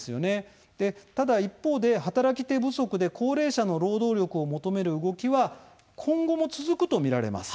ただ一方で、働き手不足で高齢者の労働力を求める動きは今後も続くと見られます。